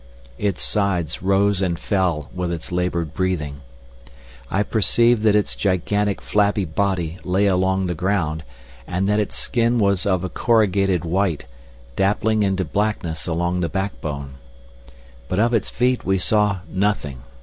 Its sides rose and fell with its laboured breathing. I perceived that its gigantic, flabby body lay along the ground, and that its skin was of a corrugated white, dappling into blackness along the backbone. But of its feet we saw nothing.